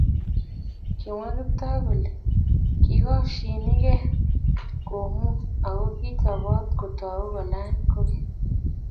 kimwa Kiptoo kole kikosyinigei komuny ako kichobot kotou kolany kokeny